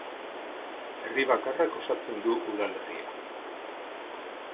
Herri bakarrak osatzen du udalerria.